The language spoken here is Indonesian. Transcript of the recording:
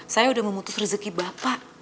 saya sudah memutus rezeki bapak